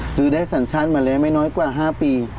หรือได้สัญชาติมาแล้วไม่น้อยกว่า๕ปี